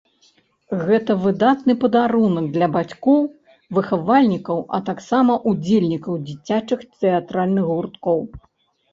Гэта выдатны падарунак для бацькоў, выхавальнікаў, а таксама ўдзельнікаў дзіцячых тэатральных гурткоў.